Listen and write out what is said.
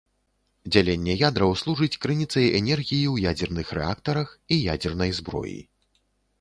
Дзяленне ядраў служыць крыніцай энергіі ў ядзерных рэактарах і ядзернай зброі.